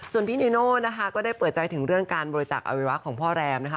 ส่วนพี่นีโน่นะคะก็ได้เปิดใจถึงเรื่องการบริจักษ์อวัยวะของพ่อแรมนะคะ